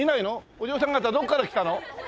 お嬢さん方どこから来たの？